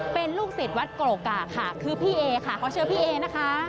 เป็นลูกศิษย์วัดโกรกกากค่ะคือพี่เอค่ะเขาเชื่อพี่เอนะคะ